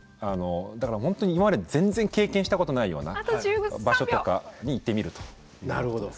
だから、本当に今まで全然経験したことのないような場所とかに行ってみると。